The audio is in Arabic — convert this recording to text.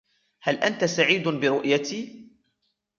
هل أنت سعيد برؤيتي ؟